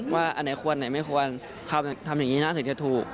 ว่าอันไหนควรอันไหนไม่ควรทำอย่างนี้น่าจะถูก